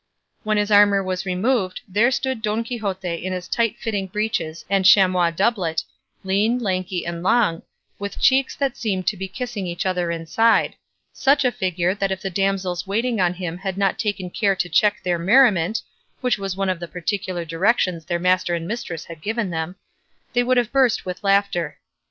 When his armour was removed, there stood Don Quixote in his tight fitting breeches and chamois doublet, lean, lanky, and long, with cheeks that seemed to be kissing each other inside; such a figure, that if the damsels waiting on him had not taken care to check their merriment (which was one of the particular directions their master and mistress had given them), they would have burst with laughter.